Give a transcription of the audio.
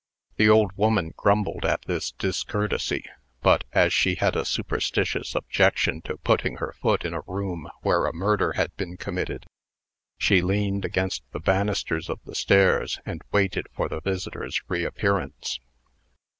The old woman grumbled at this discourtesy but, as she had a superstitious objection to putting her foot in a room where a murder had been committed, she leaned against the banisters of the stairs, and waited for the visitors' reappearance.